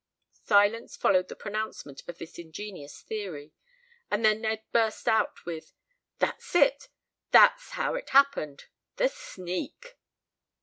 Silence followed the pronouncement of this ingenious theory, and then Ned burst out with: "That's it! That's how it happened! The sneak!"